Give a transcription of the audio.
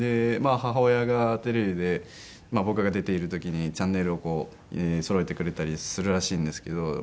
母親がテレビで僕が出ている時にチャンネルをこうそろえてくれたりするらしいんですけど。